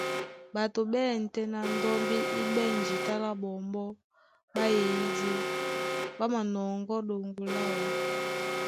Ɓato ɓá ɛ̂n tɛ́ ná ndɔ́mbí í ɓɛ̂n jǐta lá ɓɔmbɔ́ ɓá eyìdí, ɓá manɔŋgɔ́ ɗoŋgo láō.